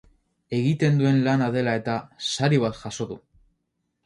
Egiten duen lana dela eta, sari bat jaso du.